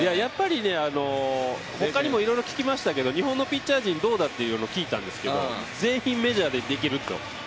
ほかにもいろいろ聞きましたけど、日本のピッチャー陣どうかと聞いたら全員、メジャーでできると。